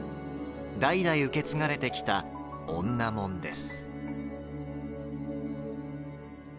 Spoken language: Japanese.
代々受け継がれてきた女紋です。